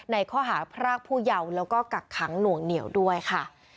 ในข้อหาพรากผู้เยาว์แล้วก็กักขังหน่วงเหนียวด้วยค่ะ